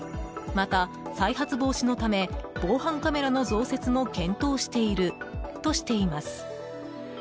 また、再発防止のため防犯カメラの増設も検討しているとしています。